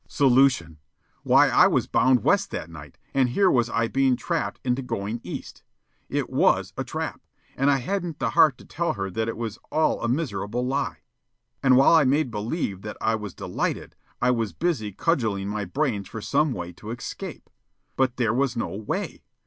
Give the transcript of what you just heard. Solution! Why I was bound west that night, and here was I being trapped into going east. It was a trap, and I hadn't the heart to tell her that it was all a miserable lie. And while I made believe that I was delighted, I was busy cudgelling my brains for some way to escape. But there was no way.